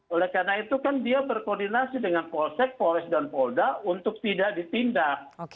oleh karena itu kan dia berkoordinasi dengan polsek polres dan polda untuk tidak ditindak